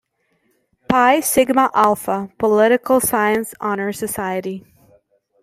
Pi Sigma Alpha - Political Science honor society.